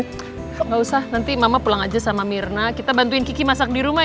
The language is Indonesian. tidak usah nanti mama pulang aja sama mirna kita bantuin kiki masak di rumah ya